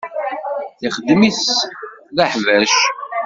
Ixedm-it d aḥbac.